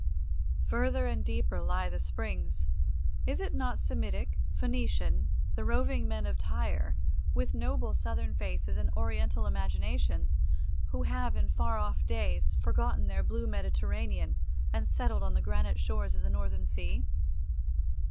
Further and deeper lie the springs. Is it not Semitic, Phoenician, the roving men of Tyre, with noble Southern faces and Oriental imaginations, who have in far off days forgotten their blue Mediterranean and settled on the granite shores of the Northern Sea?